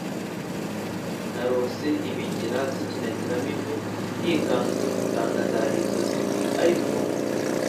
Narose Ibigina zikinagiramo ingwe Nikanguye nsanga zari inzozi, mbi ariko !